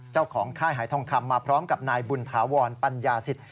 เจ้าของค่ายหายทองคำมาพร้อมกับนายบุญฐาวรปัญญาศิษย์